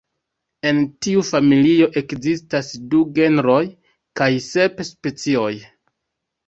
En tiu familio ekzistas du genroj kaj sep specioj.